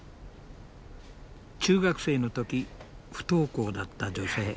中学生の時不登校だった女性。